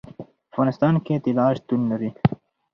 په افغانستان کې طلا شتون لري.